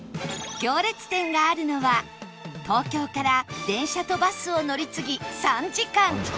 行列店があるのは東京から電車とバスを乗り継ぎ３時間